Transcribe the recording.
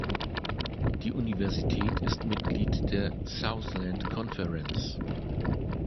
Die Universität ist Mitglied der Southland Conference.